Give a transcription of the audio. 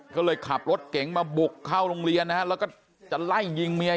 ก็เลยขับรถเก๋งมาบุกเข้าโรงเรียนนะฮะแล้วก็จะไล่ยิงเมีย